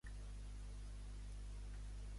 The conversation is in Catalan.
Em poses a aspirar l'aspiradora?